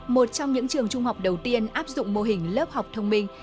một trong những trường trung học đầu tiên áp dụng mô hình lớp học thông minh